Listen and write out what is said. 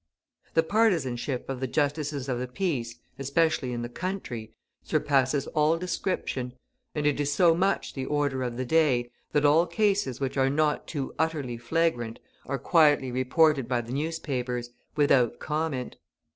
The partisanship of the Justices of the Peace, especially in the country, surpasses all description, and it is so much the order of the day that all cases which are not too utterly flagrant are quietly reported by the newspapers, without comment.